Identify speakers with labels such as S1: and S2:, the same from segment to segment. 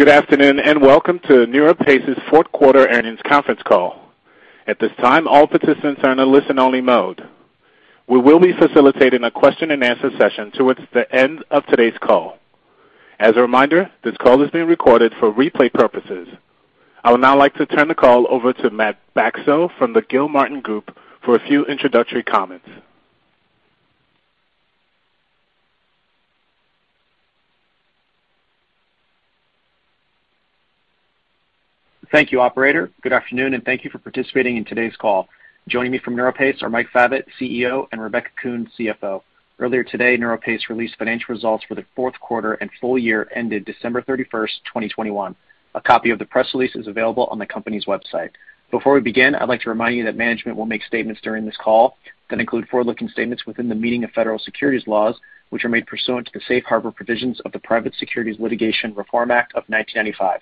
S1: Good afternoon, and welcome to NeuroPace's Fourth Quarter Earnings Conference Call. At this time, all participants are in a listen-only mode. We will be facilitating a question-and-answer session towards the end of today's call. As a reminder, this call is being recorded for replay purposes. I would now like to turn the call over to Matt Bacso from the Gilmartin Group for a few introductory comments.
S2: Thank you, operator. Good afternoon, and thank you for participating in today's call. Joining me from NeuroPace are Mike Favet, CEO, and Rebecca Kuhn, CFO. Earlier today, NeuroPace released financial results for the fourth quarter and full year ended December 31, 2021. A copy of the press release is available on the company's website. Before we begin, I'd like to remind you that management will make statements during this call that include forward-looking statements within the meaning of federal securities laws, which are made pursuant to the safe harbor provisions of the Private Securities Litigation Reform Act of 1995.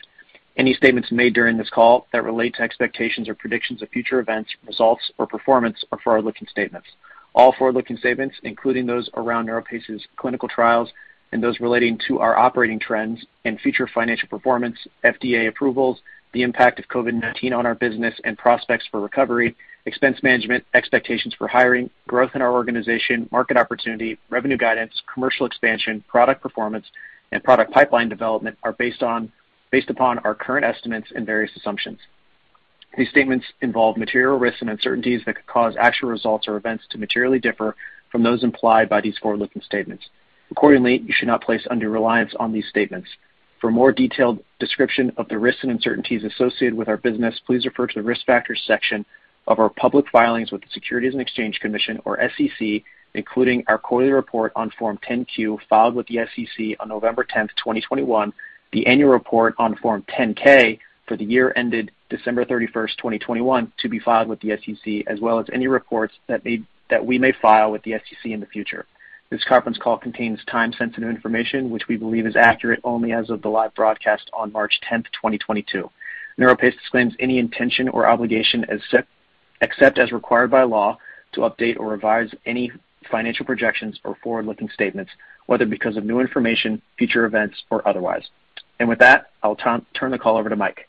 S2: Any statements made during this call that relate to expectations or predictions of future events, results, or performance are forward-looking statements. All forward-looking statements, including those around NeuroPace's clinical trials and those relating to our operating trends and future financial performance, FDA approvals, the impact of COVID-19 on our business and prospects for recovery, expense management, expectations for hiring, growth in our organization, market opportunity, revenue guidance, commercial expansion, product performance, and product pipeline development are based upon our current estimates and various assumptions. These statements involve material risks and uncertainties that could cause actual results or events to materially differ from those implied by these forward-looking statements. Accordingly, you should not place undue reliance on these statements. For more detailed description of the risks and uncertainties associated with our business, please refer to the Risk Factors section of our public filings with the Securities and Exchange Commission, or SEC, including our quarterly report on Form 10-Q filed with the SEC on November 10, 2021, the annual report on Form 10-K for the year ended December 31, 2021, to be filed with the SEC, as well as any reports that we may file with the SEC in the future. This conference call contains time-sensitive information, which we believe is accurate only as of the live broadcast on March 10, 2022. NeuroPace disclaims any intention or obligation, except as required by law, to update or revise any financial projections or forward-looking statements, whether because of new information, future events, or otherwise. With that, I'll turn the call over to Mike.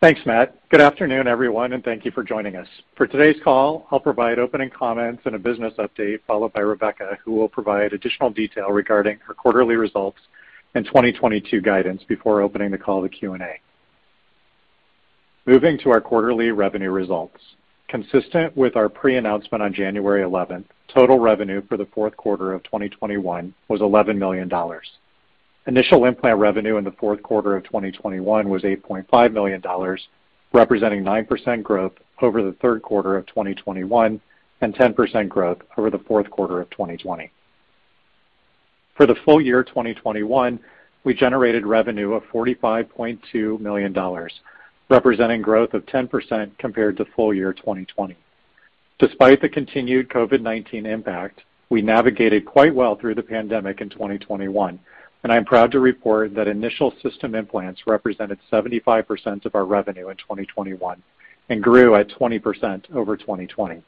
S3: Thanks, Matt. Good afternoon, everyone, and thank you for joining us. For today's call, I'll provide opening comments and a business update followed by Rebecca, who will provide additional detail regarding our quarterly results and 2022 guidance before opening the call to Q&A. Moving to our quarterly revenue results. Consistent with our pre-announcement on January 11, total revenue for the fourth quarter of 2021 was $11 million. Initial implant revenue in the fourth quarter of 2021 was $8.5 million, representing 9% growth over the third quarter of 2021 and 10% growth over the fourth quarter of 2020. For the full year 2021, we generated revenue of $45.2 million, representing growth of 10% compared to full year 2020. Despite the continued COVID-19 impact, we navigated quite well through the pandemic in 2021, and I'm proud to report that initial system implants represented 75% of our revenue in 2021 and grew at 20% over 2020.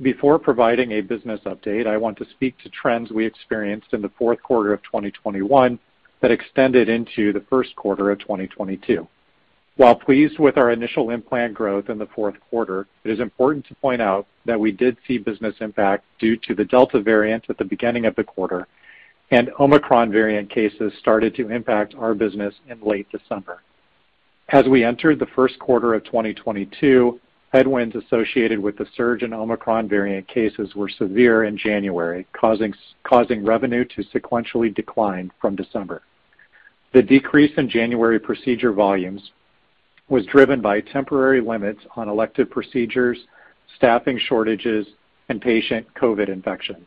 S3: Before providing a business update, I want to speak to trends we experienced in the fourth quarter of 2021 that extended into the first quarter of 2022. While pleased with our initial implant growth in the fourth quarter, it is important to point out that we did see business impact due to the Delta variant at the beginning of the quarter, and Omicron variant cases started to impact our business in late December. As we entered the first quarter of 2022, headwinds associated with the surge in Omicron variant cases were severe in January, causing revenue to sequentially decline from December. The decrease in January procedure volumes was driven by temporary limits on elective procedures, staffing shortages, and patient COVID infections.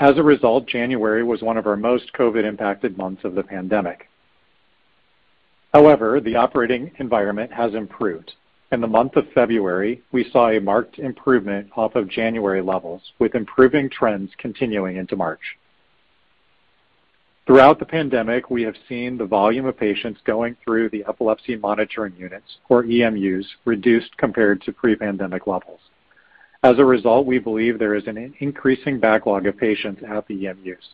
S3: As a result, January was one of our most COVID-impacted months of the pandemic. However, the operating environment has improved. In the month of February, we saw a marked improvement off of January levels, with improving trends continuing into March. Throughout the pandemic, we have seen the volume of patients going through the epilepsy monitoring units, or EMUs, reduced compared to pre-pandemic levels. As a result, we believe there is an increasing backlog of patients at the EMUs.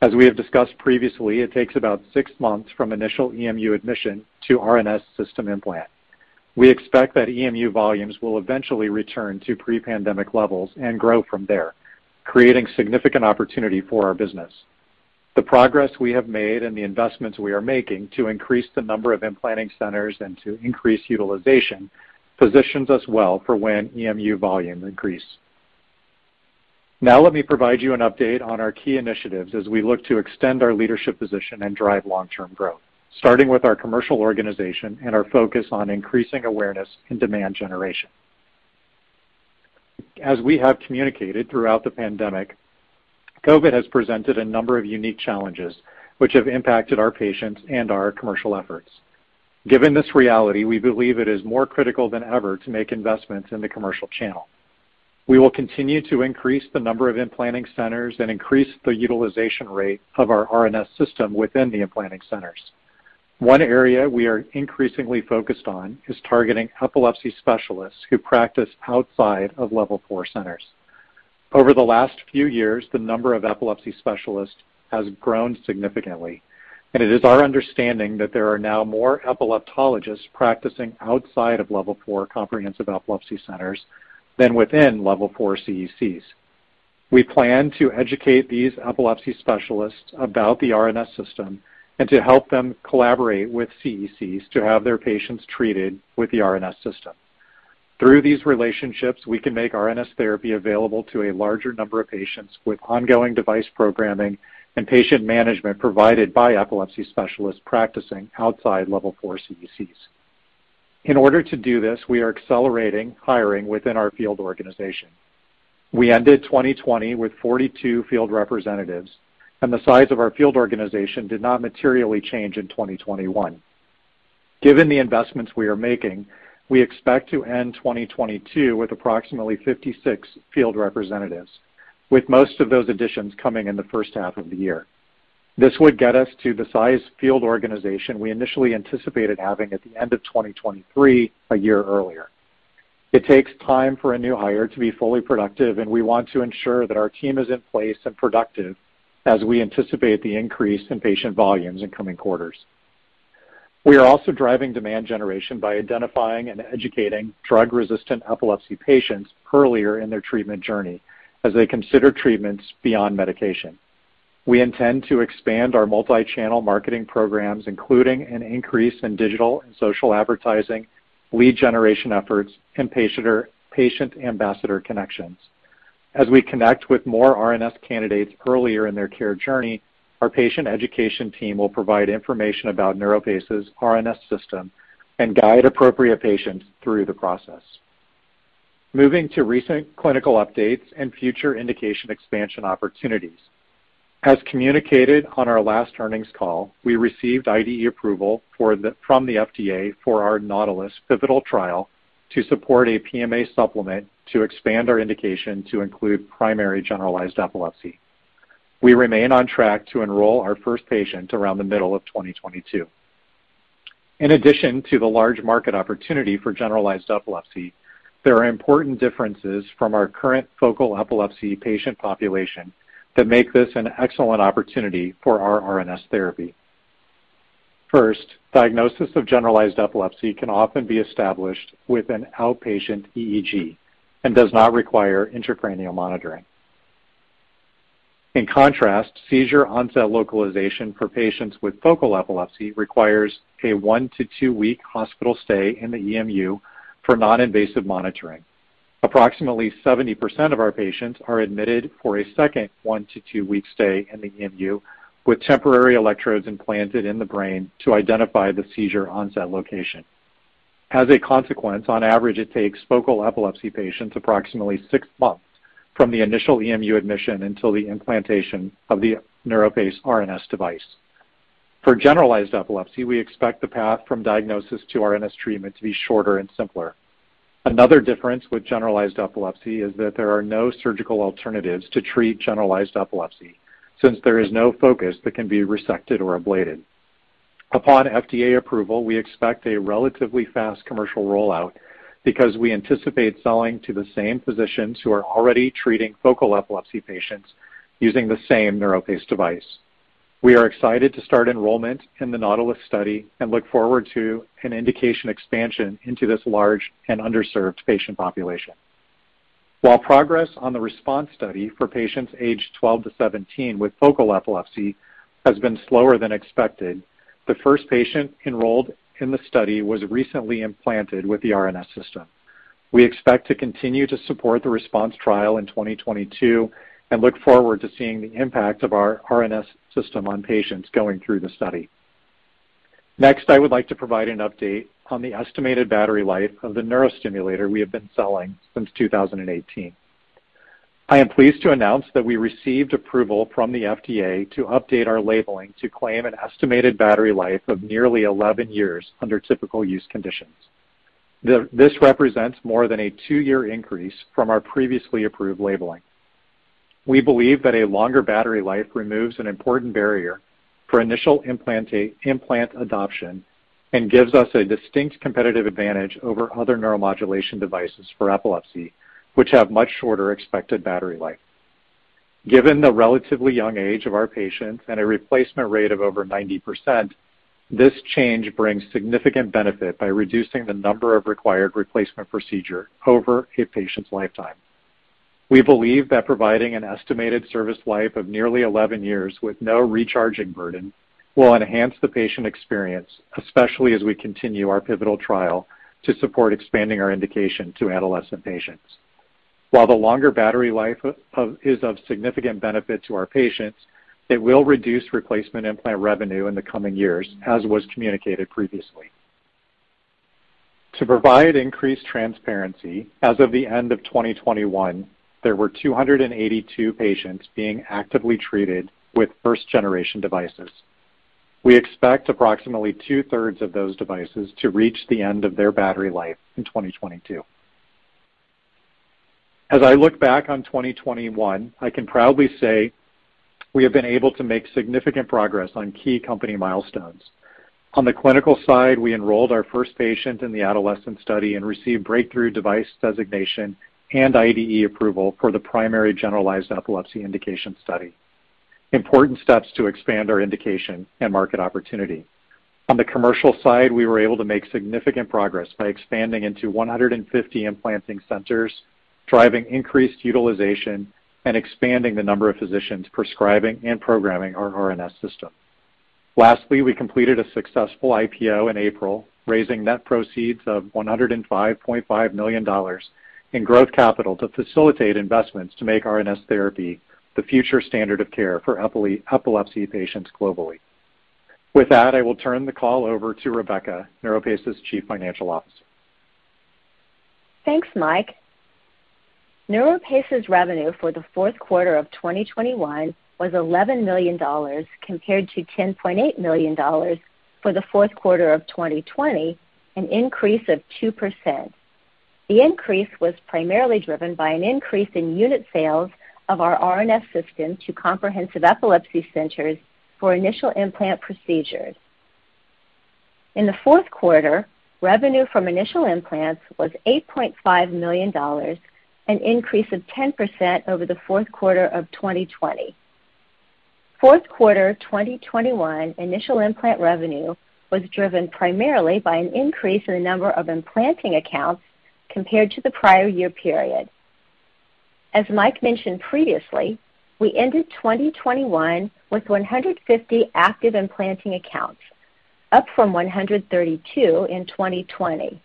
S3: As we have discussed previously, it takes about six months from initial EMU admission to RNS System implant. We expect that EMU volumes will eventually return to pre-pandemic levels and grow from there, creating significant opportunity for our business. The progress we have made and the investments we are making to increase the number of implanting centers and to increase utilization positions us well for when EMU volume increase. Now let me provide you an update on our key initiatives as we look to extend our leadership position and drive long-term growth, starting with our commercial organization and our focus on increasing awareness and demand generation. As we have communicated throughout the pandemic, COVID has presented a number of unique challenges which have impacted our patients and our commercial efforts. Given this reality, we believe it is more critical than ever to make investments in the commercial channel. We will continue to increase the number of implanting centers and increase the utilization rate of our RNS System within the implanting centers. One area we are increasingly focused on is targeting epilepsy specialists who practice outside of level four centers. Over the last few years, the number of epilepsy specialists has grown significantly, and it is our understanding that there are now more epileptologists practicing outside of level four comprehensive epilepsy centers than within level four CECs. We plan to educate these epilepsy specialists about the RNS System and to help them collaborate with CECs to have their patients treated with the RNS System. Through these relationships, we can make RNS therapy available to a larger number of patients with ongoing device programming and patient management provided by epilepsy specialists practicing outside level four CECs. In order to do this, we are accelerating hiring within our field organization. We ended 2020 with 42 field representatives, and the size of our field organization did not materially change in 2021. Given the investments we are making, we expect to end 2022 with approximately 56 field representatives, with most of those additions coming in the first half of the year. This would get us to the size field organization we initially anticipated having at the end of 2023 a year earlier. It takes time for a new hire to be fully productive, and we want to ensure that our team is in place and productive as we anticipate the increase in patient volumes in coming quarters. We are also driving demand generation by identifying and educating drug-resistant epilepsy patients earlier in their treatment journey as they consider treatments beyond medication. We intend to expand our multi-channel marketing programs, including an increase in digital and social advertising, lead generation efforts, and patient ambassador connections. As we connect with more RNS candidates earlier in their care journey, our patient education team will provide information about NeuroPace's RNS System and guide appropriate patients through the process. Moving to recent clinical updates and future indication expansion opportunities. As communicated on our last earnings call, we received IDE approval from the FDA for our NAUTILUS pivotal trial to support a PMA supplement to expand our indication to include primary generalized epilepsy. We remain on track to enroll our first patient around the middle of 2022. In addition to the large market opportunity for generalized epilepsy, there are important differences from our current focal epilepsy patient population that make this an excellent opportunity for our RNS therapy. First, diagnosis of generalized epilepsy can often be established with an outpatient EEG and does not require intracranial monitoring. In contrast, seizure onset localization for patients with focal epilepsy requires a 1- to 2-week hospital stay in the EMU for non-invasive monitoring. Approximately 70% of our patients are admitted for a second 1- to 2-week stay in the EMU with temporary electrodes implanted in the brain to identify the seizure onset location. As a consequence, on average, it takes focal epilepsy patients approximately six months from the initial EMU admission until the implantation of the NeuroPace RNS System. For generalized epilepsy, we expect the path from diagnosis to RNS treatment to be shorter and simpler. Another difference with generalized epilepsy is that there are no surgical alternatives to treat generalized epilepsy since there is no focus that can be resected or ablated. Upon FDA approval, we expect a relatively fast commercial rollout because we anticipate selling to the same physicians who are already treating focal epilepsy patients using the same NeuroPace device. We are excited to start enrollment in the NAUTILUS study and look forward to an indication expansion into this large and underserved patient population. While progress on the RESPONSE study for patients aged 12 to 17 with focal epilepsy has been slower than expected, the first patient enrolled in the study was recently implanted with the RNS System. We expect to continue to support the RESPONSE trial in 2022 and look forward to seeing the impact of our RNS System on patients going through the study. Next, I would like to provide an update on the estimated battery life of the neurostimulator we have been selling since 2018. I am pleased to announce that we received approval from the FDA to update our labeling to claim an estimated battery life of nearly 11 years under typical use conditions. This represents more than a 2-year increase from our previously approved labeling. We believe that a longer battery life removes an important barrier for initial implant adoption and gives us a distinct competitive advantage over other neuromodulation devices for epilepsy, which have much shorter expected battery life. Given the relatively young age of our patients and a replacement rate of over 90%, this change brings significant benefit by reducing the number of required replacement procedure over a patient's lifetime. We believe that providing an estimated service life of nearly 11 years with no recharging burden will enhance the patient experience, especially as we continue our pivotal trial to support expanding our indication to adolescent patients. While the longer battery life is of significant benefit to our patients, it will reduce replacement implant revenue in the coming years, as was communicated previously. To provide increased transparency, as of the end of 2021, there were 282 patients being actively treated with first generation devices. We expect approximately two-thirds of those devices to reach the end of their battery life in 2022. As I look back on 2021, I can proudly say we have been able to make significant progress on key company milestones. On the clinical side, we enrolled our first patient in the adolescent study and received Breakthrough Device Designation and IDE approval for the primary generalized epilepsy indication study. Important steps to expand our indication and market opportunity. On the commercial side, we were able to make significant progress by expanding into 150 implanting centers, driving increased utilization and expanding the number of physicians prescribing and programming our RNS System. Lastly, we completed a successful IPO in April, raising net proceeds of $105.5 million in growth capital to facilitate investments to make RNS therapy the future standard of care for epilepsy patients globally. With that, I will turn the call over to Rebecca, NeuroPace's Chief Financial Officer.
S4: Thanks, Mike. NeuroPace's revenue for the fourth quarter of 2021 was $11 million compared to $10.8 million for the fourth quarter of 2020, an increase of 2%. The increase was primarily driven by an increase in unit sales of our RNS System to comprehensive epilepsy centers for initial implant procedures. In the fourth quarter, revenue from initial implants was $8.5 million, an increase of 10% over the fourth quarter of 2020. Fourth quarter 2021 initial implant revenue was driven primarily by an increase in the number of implanting accounts compared to the prior year period. As Mike mentioned previously, we ended 2021 with 150 active implanting accounts, up from 132 in 2020.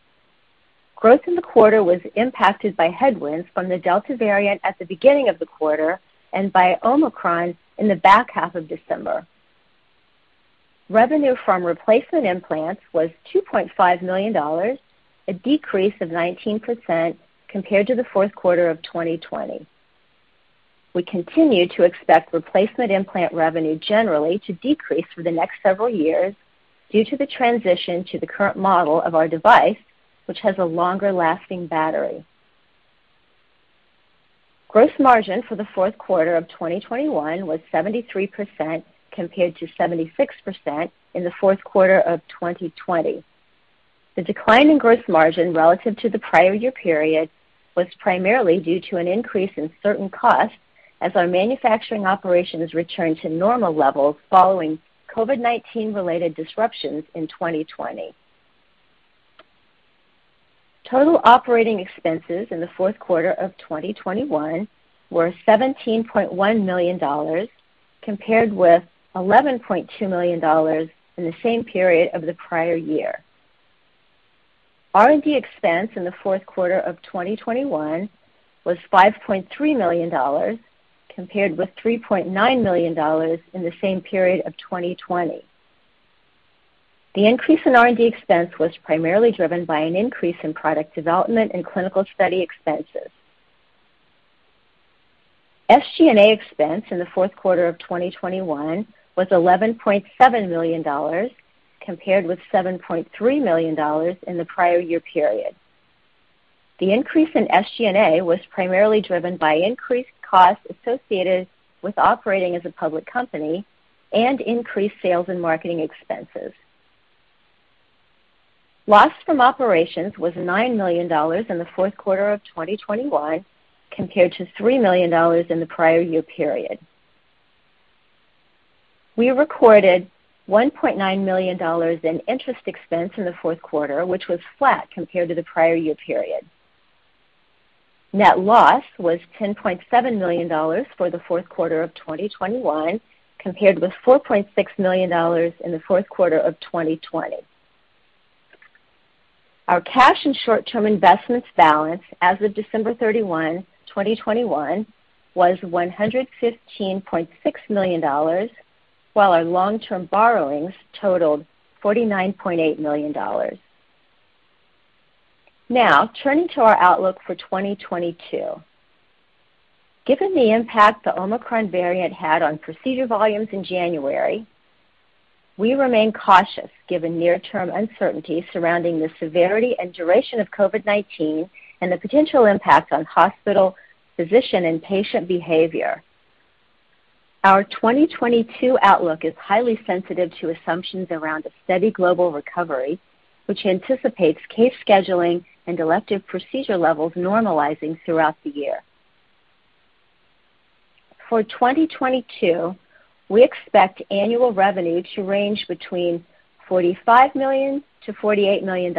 S4: Growth in the quarter was impacted by headwinds from the Delta variant at the beginning of the quarter and by Omicron in the back half of December. Revenue from replacement implants was $2.5 million, a decrease of 19% compared to the fourth quarter of 2020. We continue to expect replacement implant revenue generally to decrease for the next several years due to the transition to the current model of our device, which has a longer-lasting battery. Gross margin for the fourth quarter of 2021 was 73% compared to 76% in the fourth quarter of 2020. The decline in gross margin relative to the prior year period was primarily due to an increase in certain costs as our manufacturing operations returned to normal levels following COVID-19 related disruptions in 2020. Total operating expenses in the fourth quarter of 2021 were $17.1 million compared with $11.2 million in the same period of the prior year. R&D expense in the fourth quarter of 2021 was $5.3 million compared with $3.9 million in the same period of 2020. The increase in R&D expense was primarily driven by an increase in product development and clinical study expenses. SG&A expense in the fourth quarter of 2021 was $11.7 million compared with $7.3 million in the prior year period. The increase in SG&A was primarily driven by increased costs associated with operating as a public company and increased sales and marketing expenses. Loss from operations was $9 million in the fourth quarter of 2021 compared to $3 million in the prior year period. We recorded $1.9 million in interest expense in the fourth quarter, which was flat compared to the prior year period. Net loss was $10.7 million for the fourth quarter of 2021 compared with $4.6 million in the fourth quarter of 2020. Our cash and short-term investments balance as of December 31, 2021 was $115.6 million, while our long-term borrowings totaled $49.8 million. Now turning to our outlook for 2022. Given the impact the Omicron variant had on procedure volumes in January, we remain cautious given near-term uncertainties surrounding the severity and duration of COVID-19 and the potential impact on hospital, physician, and patient behavior. Our 2022 outlook is highly sensitive to assumptions around a steady global recovery, which anticipates case scheduling and elective procedure levels normalizing throughout the year. For 2022, we expect annual revenue to range between $45 million-$48 million.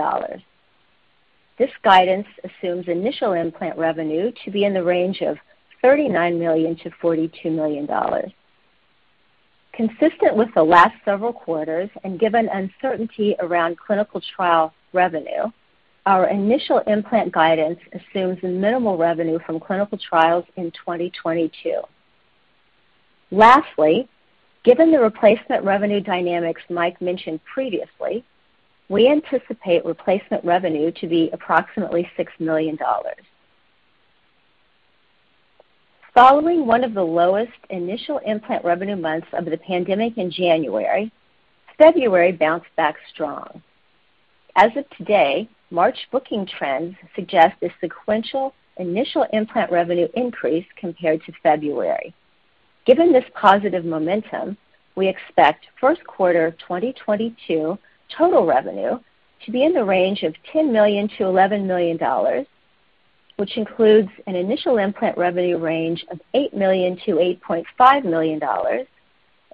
S4: This guidance assumes initial implant revenue to be in the range of $39 million-$42 million. Consistent with the last several quarters and given uncertainty around clinical trial revenue, our initial implant guidance assumes minimal revenue from clinical trials in 2022. Lastly, given the replacement revenue dynamics Mike mentioned previously, we anticipate replacement revenue to be approximately $6 million. Following one of the lowest initial implant revenue months of the pandemic in January, February bounced back strong. As of today, March booking trends suggest a sequential initial implant revenue increase compared to February. Given this positive momentum, we expect first quarter 2022 total revenue to be in the range of $10 million-$11 million, which includes an initial implant revenue range of $8 million-$8.5 million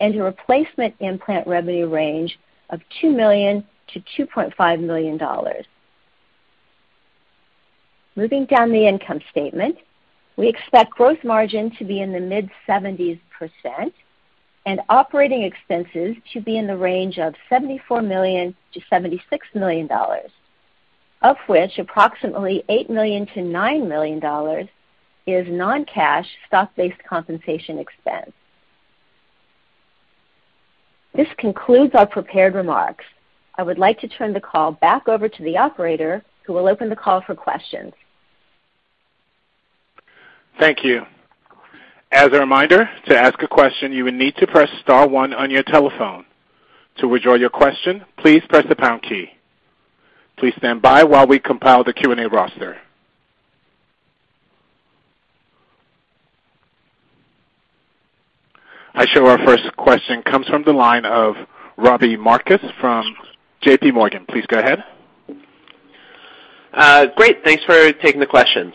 S4: and a replacement implant revenue range of $2 million-$2.5 million. Moving down the income statement, we expect gross margin to be in the mid-70s% and operating expenses to be in the range of $74 million-$76 million, of which approximately $8 million-$9 million is non-cash stock-based compensation expense. This concludes our prepared remarks. I would like to turn the call back over to the operator, who will open the call for questions.
S1: Thank you. As a reminder, to ask a question, you will need to press star one on your telephone. To withdraw your question, please press the pound key. Please stand by while we compile the Q&A roster. I show our first question comes from the line of Robbie Marcus from JPMorgan. Please go ahead.
S5: Great. Thanks for taking the questions.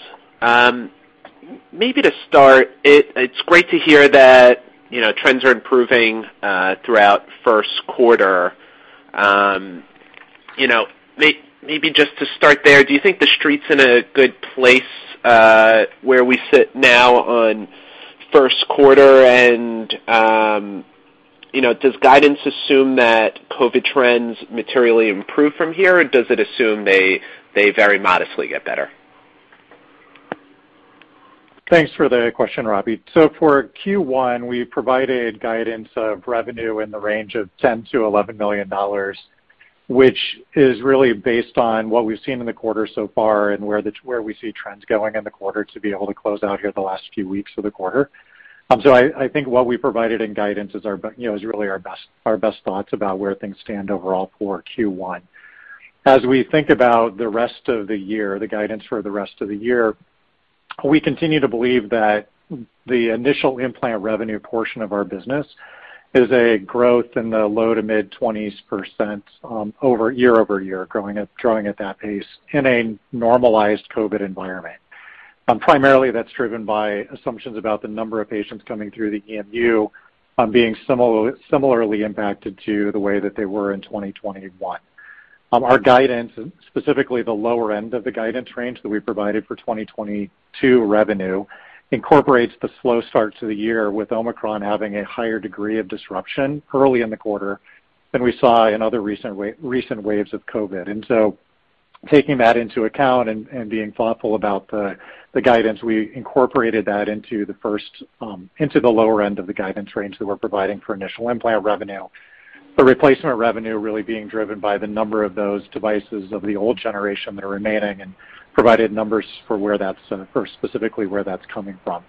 S5: Maybe to start, it's great to hear that, you know, trends are improving throughout first quarter. You know, maybe just to start there, do you think the street's in a good place where we sit now on first quarter? You know, does guidance assume that COVID trends materially improve from here, or does it assume they very modestly get better?
S3: Thanks for the question, Robbie. For Q1, we provided guidance of revenue in the range of $10 million-$11 million, which is really based on what we've seen in the quarter so far and where we see trends going in the quarter to be able to close out here the last few weeks of the quarter. I think what we provided in guidance you know is really our best thoughts about where things stand overall for Q1. As we think about the rest of the year, the guidance for the rest of the year, we continue to believe that the initial implant revenue portion of our business is a growth in the low- to mid-20s%, year-over-year, growing at that pace in a normalized COVID environment. Primarily, that's driven by assumptions about the number of patients coming through the EMU, being similarly impacted to the way that they were in 2021. Our guidance, specifically the lower end of the guidance range that we provided for 2022 revenue, incorporates the slow start to the year, with Omicron having a higher degree of disruption early in the quarter than we saw in other recent waves of COVID. Taking that into account and being thoughtful about the guidance, we incorporated that into the lower end of the guidance range that we're providing for initial implant revenue. The replacement revenue really being driven by the number of those devices of the old generation that are remaining and provided numbers for where that's, or specifically where that's coming from.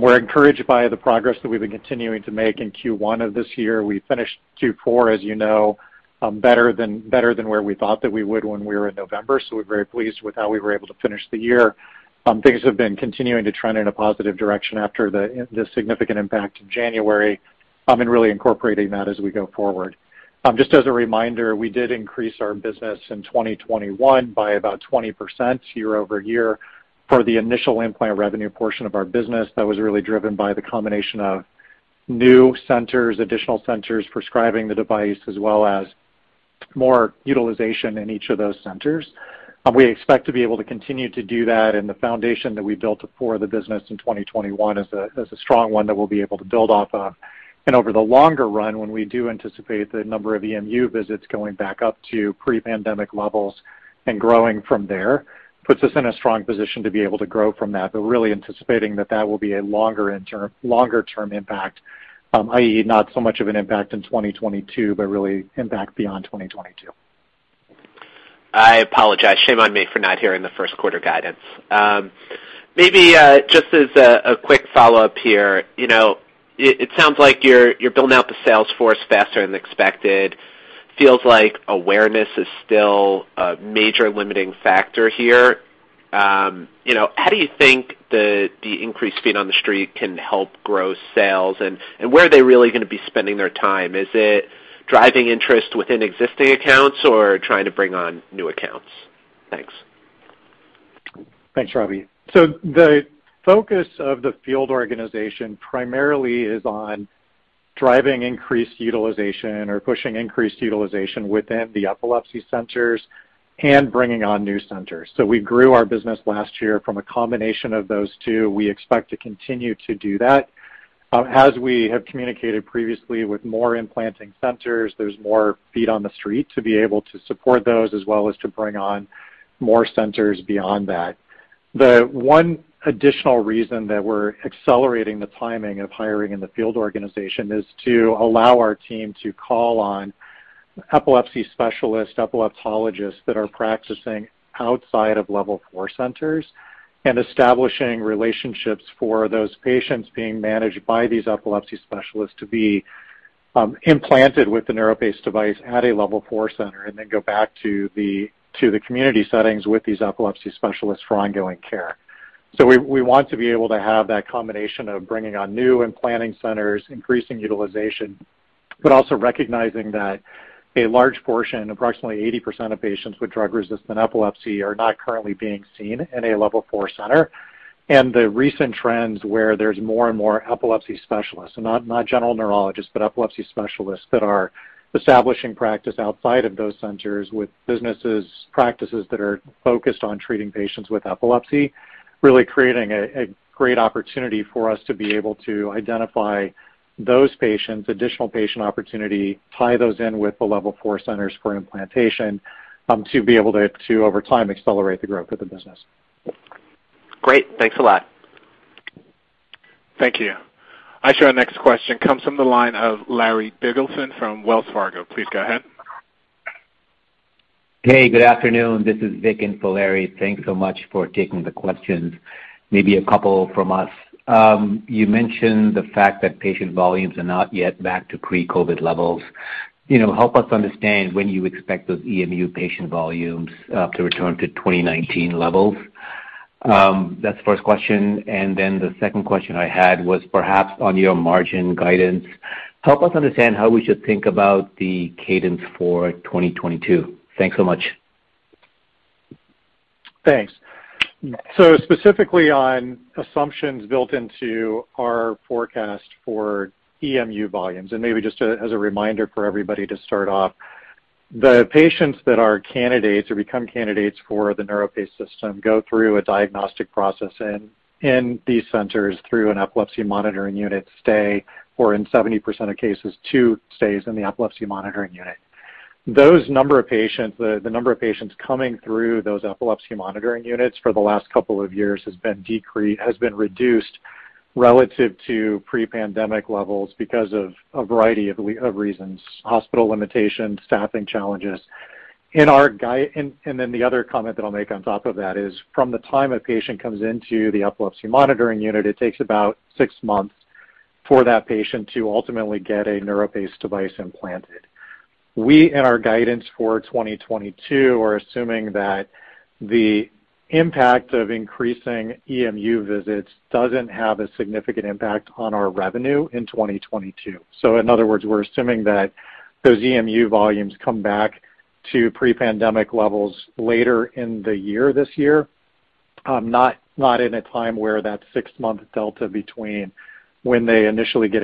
S3: We're encouraged by the progress that we've been continuing to make in Q1 of this year. We finished Q4, as you know, better than where we thought that we would when we were in November, so we're very pleased with how we were able to finish the year. Things have been continuing to trend in a positive direction after the significant impact in January, and really incorporating that as we go forward. Just as a reminder, we did increase our business in 2021 by about 20% year-over-year for the initial implant revenue portion of our business. That was really driven by the combination of new centers, additional centers prescribing the device as well as more utilization in each of those centers. We expect to be able to continue to do that, and the foundation that we built for the business in 2021 is a strong one that we'll be able to build off of. Over the longer run, when we do anticipate the number of EMU visits going back up to pre-pandemic levels and growing from there, puts us in a strong position to be able to grow from that. Really anticipating that will be a longer-term impact, i.e., not so much of an impact in 2022, but really impact beyond 2022.
S5: I apologize. Shame on me for not hearing the first quarter guidance. Maybe just as a quick follow-up here. You know, it sounds like you're building out the sales force faster than expected. Feels like awareness is still a major limiting factor here. You know, how do you think the increased feet on the street can help grow sales, and where are they really gonna be spending their time? Is it driving interest within existing accounts or trying to bring on new accounts? Thanks.
S3: Thanks, Robbie. The focus of the field organization primarily is on driving increased utilization or pushing increased utilization within the epilepsy centers and bringing on new centers. We grew our business last year from a combination of those two. We expect to continue to do that. As we have communicated previously with more implanting centers, there's more feet on the street to be able to support those, as well as to bring on more centers beyond that. The one additional reason that we're accelerating the timing of hiring in the field organization is to allow our team to call on epilepsy specialists, epileptologists that are practicing outside of level four centers and establishing relationships for those patients being managed by these epilepsy specialists to be implanted with the NeuroPace device at a level four center, and then go back to the community settings with these epilepsy specialists for ongoing care. We want to be able to have that combination of bringing on new implanting centers, increasing utilization, but also recognizing that a large portion, approximately 80% of patients with drug-resistant epilepsy are not currently being seen in a level four center. The recent trends where there's more and more epilepsy specialists and not general neurologists, but epilepsy specialists that are establishing practice outside of those centers with businesses, practices that are focused on treating patients with epilepsy, really creating a great opportunity for us to be able to identify those patients, additional patient opportunity, tie those in with the level four centers for implantation, to be able to over time accelerate the growth of the business.
S5: Great. Thanks a lot.
S1: Thank you. Our next question comes from the line of Larry Biegelsen from Wells Fargo. Please go ahead.
S6: Hey, good afternoon. This is Vik in for Larry. Thanks so much for taking the questions. Maybe a couple from us. You mentioned the fact that patient volumes are not yet back to pre-COVID levels. You know, help us understand when you expect those EMU patient volumes to return to 2019 levels. That's the first question. The second question I had was perhaps on your margin guidance. Help us understand how we should think about the cadence for 2022. Thanks so much.
S3: Thanks. Specifically on assumptions built into our forecast for EMU volumes, and maybe just as a reminder for everybody to start off, the patients that are candidates or become candidates for the NeuroPace system go through a diagnostic process in these centers through an epilepsy monitoring unit stay, or in 70% of cases, two stays in the epilepsy monitoring unit. The number of patients coming through those epilepsy monitoring units for the last couple of years has been reduced relative to pre-pandemic levels because of a variety of reasons, hospital limitations, staffing challenges. The other comment that I'll make on top of that is from the time a patient comes into the epilepsy monitoring unit, it takes about six months for that patient to ultimately get a NeuroPace device implanted. We, in our guidance for 2022, are assuming that the impact of increasing EMU visits doesn't have a significant impact on our revenue in 2022. In other words, we're assuming that those EMU volumes come back to pre-pandemic levels later in the year this year, not in a time where that six-month delta between when they initially get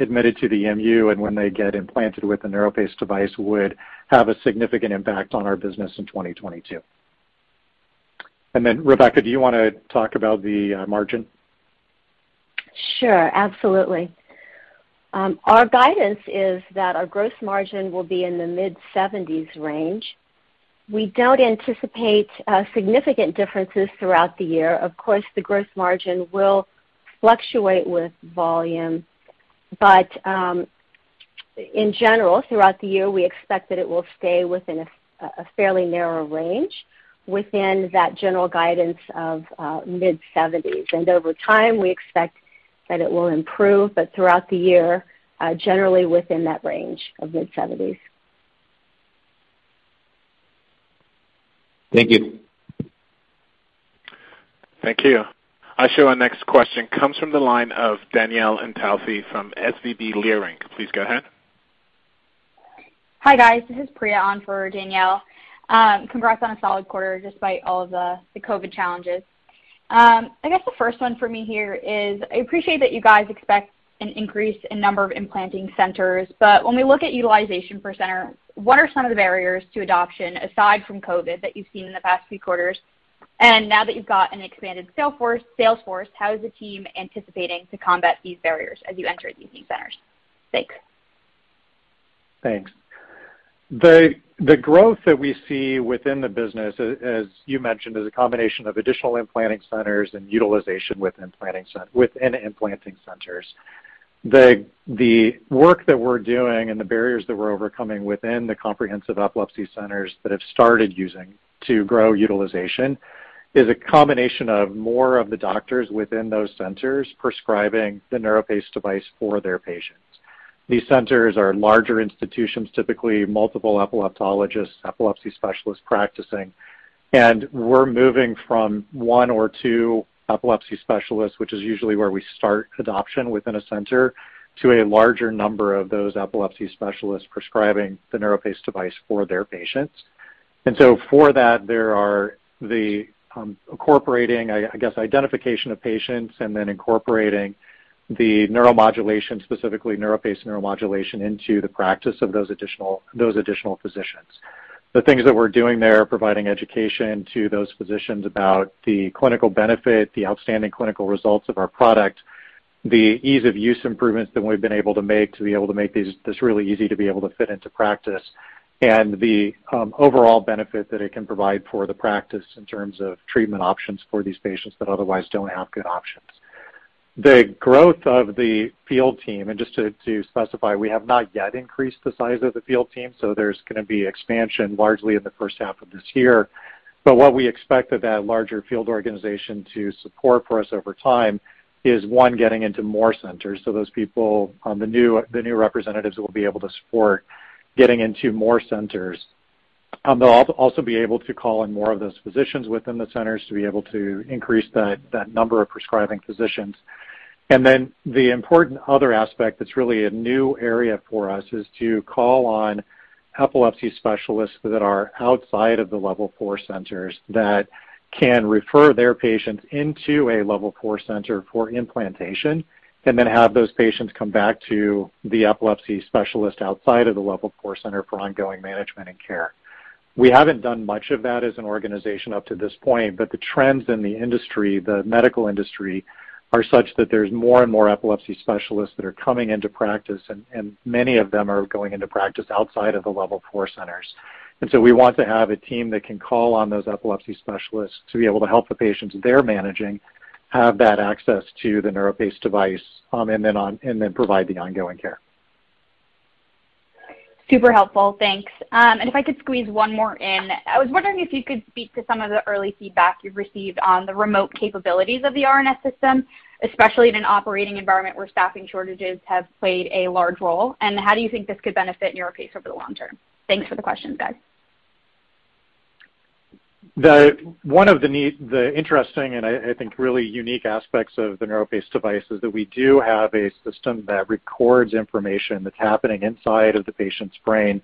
S3: admitted to the EMU and when they get implanted with the NeuroPace device would have a significant impact on our business in 2022. Then, Rebecca, do you wanna talk about the margin?
S4: Sure. Absolutely. Our guidance is that our gross margin will be in the mid-70s% range. We don't anticipate significant differences throughout the year. Of course, the gross margin will fluctuate with volume. In general, throughout the year, we expect that it will stay within a fairly narrow range within that general guidance of mid-70s%. Over time, we expect that it will improve, but throughout the year, generally within that range of mid-70s%.
S6: Thank you.
S1: Thank you. Our next question comes from the line of Danielle Antalffy from SVB Leerink. Please go ahead.
S7: Hi, guys. This is Priya on for Danielle. Congrats on a solid quarter despite all of the the COVID challenges. I guess the first one for me here is I appreciate that you guys expect an increase in number of implanting centers, but when we look at utilization per center, what are some of the barriers to adoption aside from COVID that you've seen in the past few quarters? Now that you've got an expanded sales force, how is the team anticipating to combat these barriers as you enter these new centers? Thanks.
S3: Thanks. The growth that we see within the business, as you mentioned, is a combination of additional implanting centers and utilization within implanting centers. The work that we're doing and the barriers that we're overcoming within the comprehensive epilepsy centers that have started using to grow utilization is a combination of more of the doctors within those centers prescribing the NeuroPace device for their patients. These centers are larger institutions, typically multiple epileptologists, epilepsy specialists practicing. We're moving from one or two epilepsy specialists, which is usually where we start adoption within a center, to a larger number of those epilepsy specialists prescribing the NeuroPace device for their patients. For that, there are the incorporating, I guess, identification of patients and then incorporating the neuromodulation, specifically NeuroPace neuromodulation, into the practice of those additional physicians. The things that we're doing there, providing education to those physicians about the clinical benefit, the outstanding clinical results of our product, the ease of use improvements that we've been able to make to be able to make this really easy to be able to fit into practice, and the overall benefit that it can provide for the practice in terms of treatment options for these patients that otherwise don't have good options. The growth of the field team, and just to specify, we have not yet increased the size of the field team, so there's gonna be expansion largely in the first half of this year. What we expect of that larger field organization to support for us over time is, one, getting into more centers. Those people, the new representatives will be able to support getting into more centers. They'll also be able to call in more of those physicians within the centers to be able to increase that number of prescribing physicians. The important other aspect that's really a new area for us is to call on epilepsy specialists that are outside of the level four centers that can refer their patients into a level four center for implantation, and then have those patients come back to the epilepsy specialist outside of the level four center for ongoing management and care. We haven't done much of that as an organization up to this point, but the trends in the industry, the medical industry, are such that there's more and more epilepsy specialists that are coming into practice, and many of them are going into practice outside of the level four centers. We want to have a team that can call on those epilepsy specialists to be able to help the patients they're managing have that access to the NeuroPace device, and then provide the ongoing care.
S7: Super helpful. Thanks. If I could squeeze one more in. I was wondering if you could speak to some of the early feedback you've received on the remote capabilities of the RNS System, especially in an operating environment where staffing shortages have played a large role, and how do you think this could benefit NeuroPace over the long term? Thanks for the question, guys.
S3: One of the interesting, and I think really unique aspects of the NeuroPace device is that we do have a system that records information that's happening inside of the patient's brain,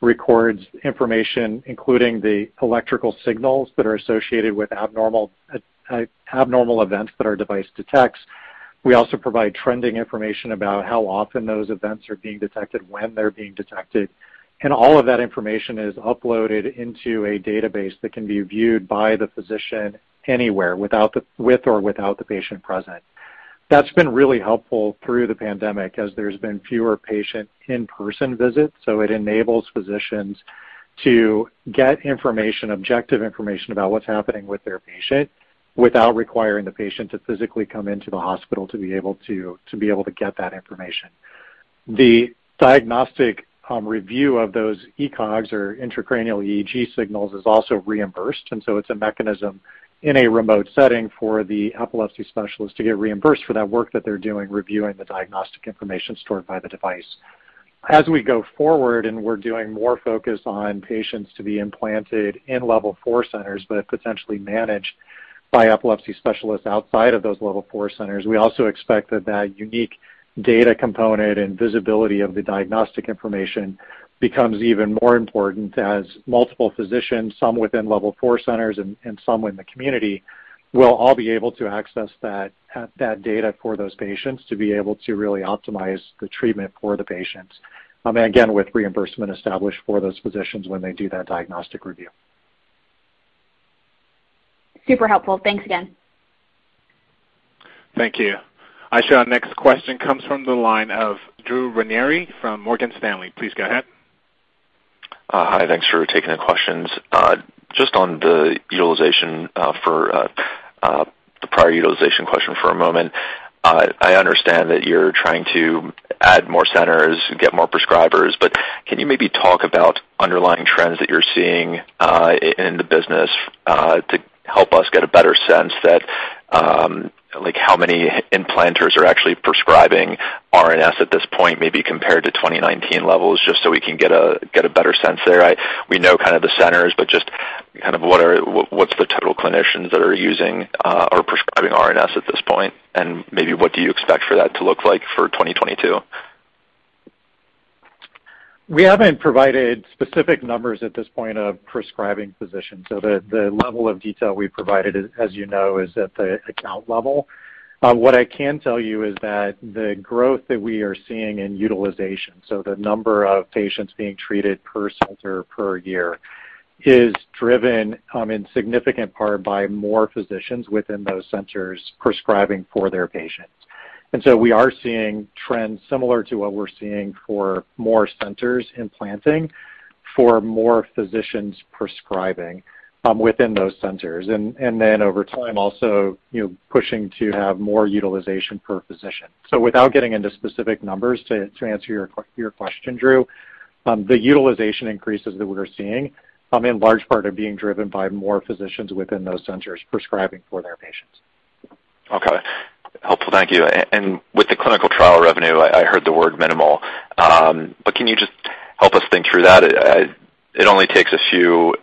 S3: records information, including the electrical signals that are associated with abnormal events that our device detects. We also provide trending information about how often those events are being detected, when they're being detected, and all of that information is uploaded into a database that can be viewed by the physician anywhere with or without the patient present. That's been really helpful through the pandemic as there's been fewer patient in-person visits, so it enables physicians to get information, objective information about what's happening with their patient without requiring the patient to physically come into the hospital to be able to get that information. The diagnostic review of those ECoGs or intracranial EEG signals is also reimbursed, so it's a mechanism in a remote setting for the epilepsy specialist to get reimbursed for that work that they're doing, reviewing the diagnostic information stored by the device. As we go forward, we're doing more focus on patients to be implanted in level four centers, but potentially managed by epilepsy specialists outside of those level four centers, we also expect that that unique data component and visibility of the diagnostic information becomes even more important as multiple physicians, some within level four centers and some in the community, will all be able to access that data for those patients to be able to really optimize the treatment for the patients. Again, with reimbursement established for those physicians when they do that diagnostic review.
S7: Super helpful. Thanks again.
S1: Thank you. Aysha, next question comes from the line of Drew Ranieri from Morgan Stanley. Please go ahead.
S8: Hi. Thanks for taking the questions. Just on the utilization, for the prior utilization question for a moment. I understand that you're trying to add more centers and get more prescribers, but can you maybe talk about underlying trends that you're seeing in the business to help us get a better sense that, like how many implanters are actually prescribing RNS at this point, maybe compared to 2019 levels, just so we can get a better sense there, right? We know kind of the centers, but just kind of what's the total clinicians that are using or prescribing RNS at this point? And maybe what do you expect for that to look like for 2022?
S3: We haven't provided specific numbers at this point of prescribing physicians. The level of detail we've provided, as you know, is at the account level. What I can tell you is that the growth that we are seeing in utilization, so the number of patients being treated per center per year, is driven in significant part by more physicians within those centers prescribing for their patients. We are seeing trends similar to what we're seeing for more centers implanting for more physicians prescribing within those centers. Then over time also, you know, pushing to have more utilization per physician. Without getting into specific numbers to answer your question, Drew, the utilization increases that we're seeing in large part are being driven by more physicians within those centers prescribing for their patients.
S8: Okay. Helpful. Thank you. With the clinical trial revenue, I heard the word minimal, but can you just help us think through that? It only takes a few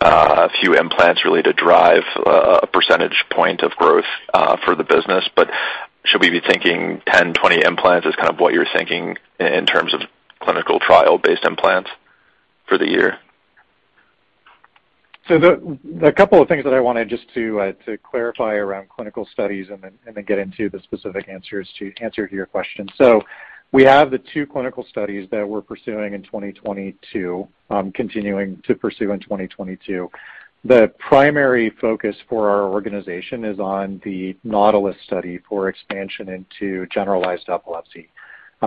S8: implants really to drive a percentage point of growth for the business. Should we be thinking 10, 20 implants is kind of what you're thinking in terms of clinical trial-based implants for the year?
S3: A couple of things that I wanted just to clarify around clinical studies and then get into the specific answers to your question. We have the two clinical studies that we're pursuing in 2022, continuing to pursue in 2022. The primary focus for our organization is on the NAUTILUS study for expansion into generalized epilepsy.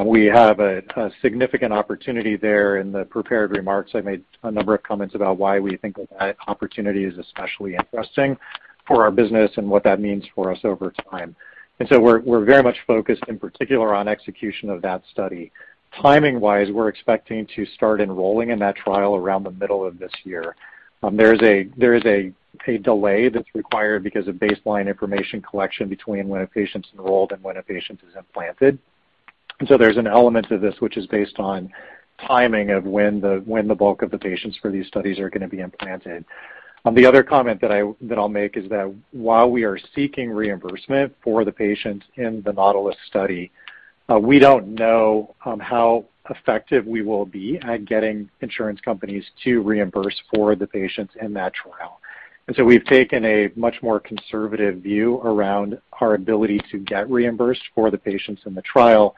S3: We have a significant opportunity there. In the prepared remarks, I made a number of comments about why we think that opportunity is especially interesting for our business and what that means for us over time. We're very much focused in particular on execution of that study. Timing-wise, we're expecting to start enrolling in that trial around the middle of this year. There is a delay that's required because of baseline information collection between when a patient's enrolled and when a patient is implanted. There's an element to this which is based on timing of when the bulk of the patients for these studies are gonna be implanted. The other comment that I'll make is that while we are seeking reimbursement for the patients in the NAUTILUS study, we don't know how effective we will be at getting insurance companies to reimburse for the patients in that trial. We've taken a much more conservative view around our ability to get reimbursed for the patients in the trial.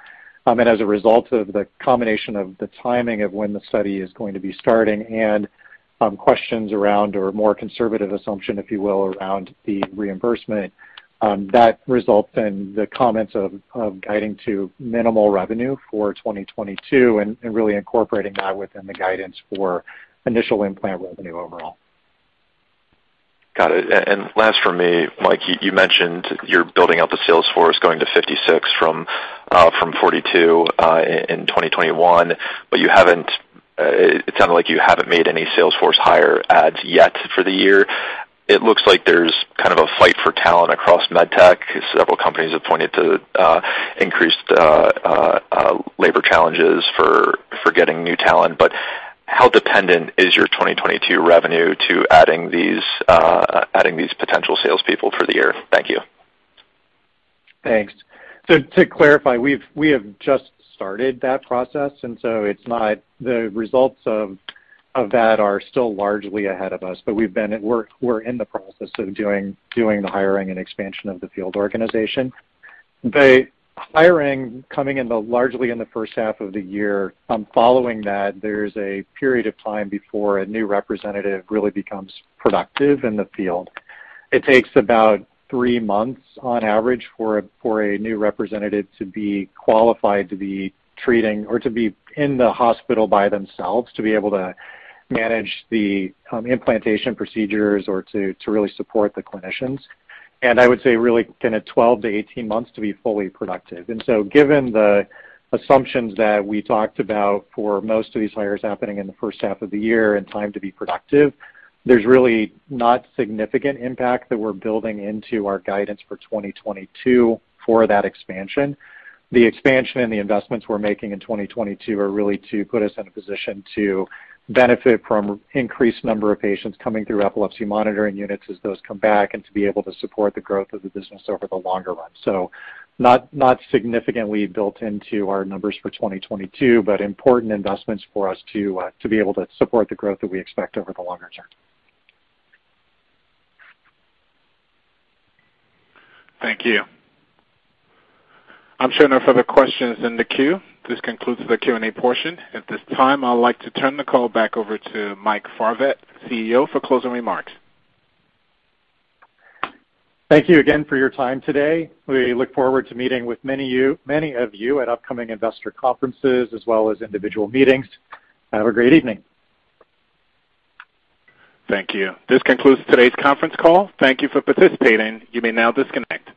S3: As a result of the combination of the timing of when the study is going to be starting and questions around or a more conservative assumption, if you will, around the reimbursement, that results in the comments of guiding to minimal revenue for 2022 and really incorporating that within the guidance for initial implant revenue overall.
S8: Got it. Last for me, Mike, you mentioned you're building out the sales force going to 56 from 42 in 2021, but you haven't. It sounded like you haven't made any sales force hire adds yet for the year. It looks like there's kind of a fight for talent across med tech. Several companies have pointed to increased labor challenges for getting new talent, but how dependent is your 2022 revenue to adding these potential salespeople for the year? Thank you.
S3: Thanks. To clarify, we have just started that process, and so it's not. The results of that are still largely ahead of us, but we've been at work. We're in the process of doing the hiring and expansion of the field organization, the hiring coming largely in the first half of the year, following that, there's a period of time before a new representative really becomes productive in the field. It takes about three months on average for a new representative to be qualified to be treating or to be in the hospital by themselves, to be able to manage the implantation procedures or to really support the clinicians. I would say really kind of 12-18 months to be fully productive. Given the assumptions that we talked about for most of these hires happening in the first half of the year and time to be productive, there's really not significant impact that we're building into our guidance for 2022 for that expansion. The expansion and the investments we're making in 2022 are really to put us in a position to benefit from increased number of patients coming through epilepsy monitoring units as those come back and to be able to support the growth of the business over the longer run. Not significantly built into our numbers for 2022, but important investments for us to be able to support the growth that we expect over the longer term.
S1: Thank you. I'm showing no further questions in the queue. This concludes the Q&A portion. At this time, I'd like to turn the call back over to Mike Favet, CEO, for closing remarks.
S3: Thank you again for your time today. We look forward to meeting with many of you at upcoming investor conferences as well as individual meetings. Have a great evening.
S1: Thank you. This concludes today's conference call. Thank you for participating. You may now disconnect.